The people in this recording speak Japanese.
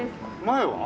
前は？